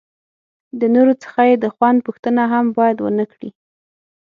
د نورو څخه یې د خوند پوښتنه هم باید ونه کړي.